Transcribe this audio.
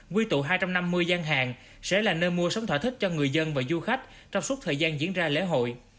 quy tụ hai trăm năm mươi gian hàng sẽ là nơi mua sống thỏa thích cho người dân và du khách trong suốt thời gian diễn ra lễ hội